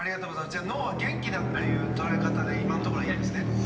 じゃあ脳は元気だという捉え方で今のところはいいですね。